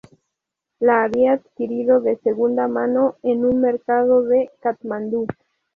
La había adquirido de segunda mano en un mercado de Katmandú.